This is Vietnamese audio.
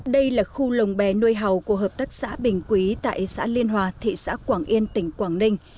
đây là khu lồng bè nuôi hầu của hợp tác xã bình quý tại xã liên hòa thị xã quảng yên tỉnh quảng ninh